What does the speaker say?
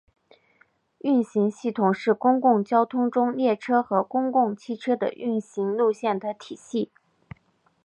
运行系统是公共交通中列车和公共汽车的运行路线的体系。